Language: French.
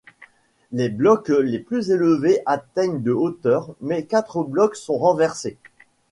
Les blocs les plus élevés atteignent de hauteur mais quatre blocs sont renversés.